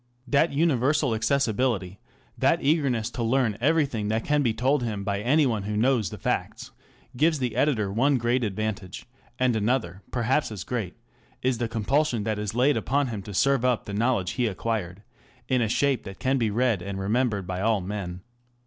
That universal accessibility, that eagerness to learn everything that can be told him by any one who knows the facts, gives the editor one great advantage; and another, perhaps as great, is the compulsion that is laid upon him to serve up the knowledge he acquired in a shape that can be read and remembered by all men.